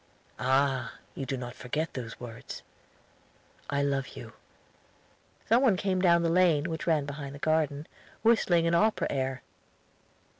"Ah! you do not forget those words 'I love you.'" Some one came down the lane which ran behind the garden whistling an opera air.